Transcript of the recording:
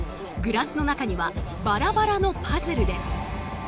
グラスの中にはバラバラのパズルです。